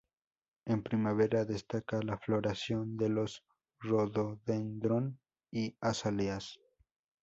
En primavera, destaca la floración de los rhododendron y azaleas.